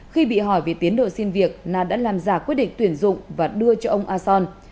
khi bị hỏi về tiến độ xin việc na đã làm giả quyết định tuyển dụng và đưa cho ông a son